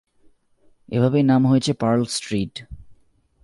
এভাবেই এর নাম হয়েছে পার্ল স্ট্রিট।